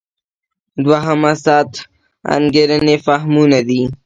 دوهمه سطح انګېرنې فهمونه دي.